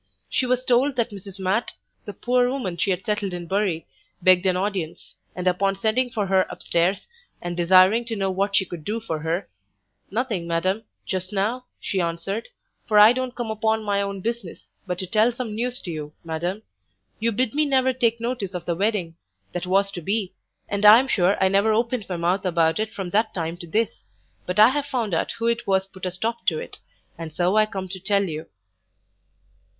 She was told that Mrs Matt, the poor woman she had settled in Bury, begged an audience, and upon sending for her up stairs, and desiring to know what she could do for her, "Nothing, madam, just now," she answered, "for I don't come upon my own business, but to tell some news to you, madam. You bid me never take notice of the wedding, that was to be, and I'm sure I never opened my mouth about it from that time to this; but I have found out who it was put a stop to it, and so I come to tell you."